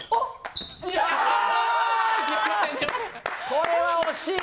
これは惜しい。